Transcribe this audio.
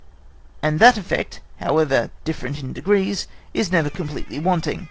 And that effect, however different in its degrees, is never completely wanting.